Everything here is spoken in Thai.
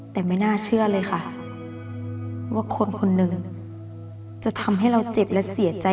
แต่ไม่น่าเชื่อเลยค่ะว่าคนคนหนึ่งจะทำให้เราเจ็บและเสียใจ